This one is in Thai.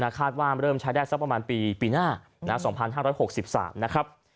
คาดว่าเริ่มใช้ได้สักประมาณปีหน้า๒๕๖๓นะครับ